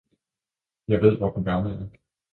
Jeg ved, hvem den gamle er.